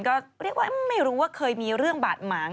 ก็เรียกว่าไม่รู้ว่าเคยมีเรื่องบาดหมาง